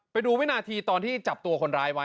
ไปดูวินาทีตอนที่จับตัวคนร้ายไว้